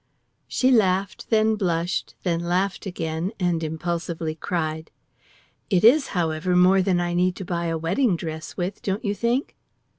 She laughed, then blushed, then laughed again, and impulsively cried: "It is, however, more than I need to buy a wedding dress with, don't you think?"